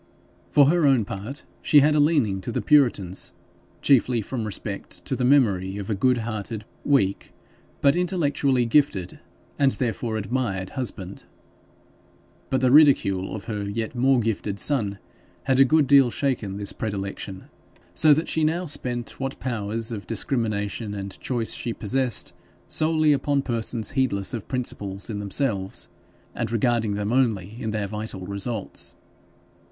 For her own part she had a leaning to the puritans, chiefly from respect to the memory of a good hearted, weak, but intellectually gifted, and, therefore, admired husband; but the ridicule of her yet more gifted son had a good deal shaken this predilection, so that she now spent what powers of discrimination and choice she possessed solely upon persons, heedless of principles in themselves, and regarding them only in their vital results.